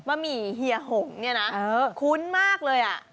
หมี่เฮียหงเนี่ยนะคุ้นมากเลยอ่ะ